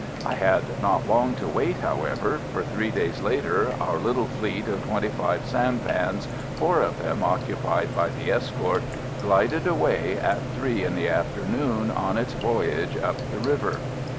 I had not long to wait, however, for three days later our little fleet of twenty five sampans, four of them occupied by the escort, glided away at three in the afternoon on its voyage up the river.